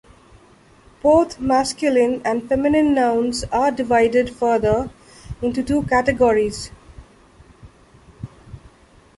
Both masculine and feminine nouns are divided further into two categories.